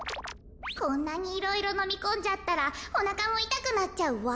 こんなにいろいろのみこんじゃったらおなかもいたくなっちゃうわ。